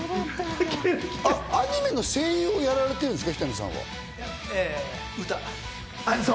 アニメの声優もやられてるんですか？